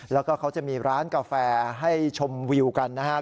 แล้วก็เขาจะมีร้านกาแฟให้ชมวิวกันนะครับ